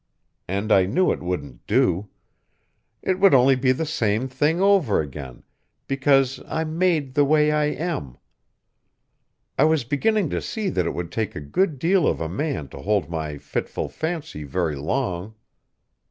And I knew it wouldn't do. It would only be the same thing over again, because I'm made the way I am. I was beginning to see that it would take a good deal of a man to hold my fitful fancy very long.